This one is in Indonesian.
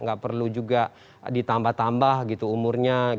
nggak perlu juga ditambah tambah gitu umurnya